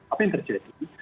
apa yang terjadi